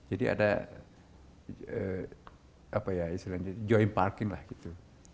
ada joint parking lah gitu